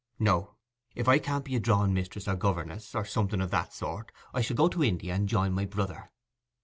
'No; if I can't be a drawing mistress or governess, or something of that sort, I shall go to India and join my brother.